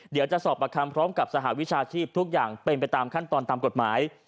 เดี๋ยวจะสอบประคำพร้อมกับสหวิชาชีพทุกอย่างเป็นไปตามขั้นตอนตามกฎหมาย